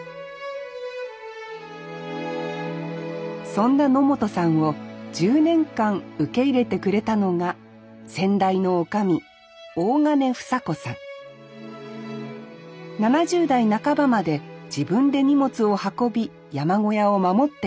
そんな野本さんを１０年間受け入れてくれたのが先代のおかみ７０代半ばまで自分で荷物を運び山小屋を守っていました